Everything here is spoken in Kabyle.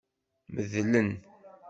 Medlen.